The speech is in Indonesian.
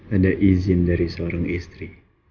ada izin dari seorang istri